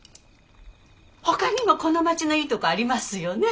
ほかにもこの町のいいとこありますよね？